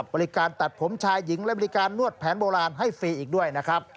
บริการตัดผมชายหญิงและบริการนวดแผนโบราณให้ฟรีอีกด้วยนะครับ